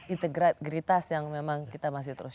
integritas yang memang kita masih terus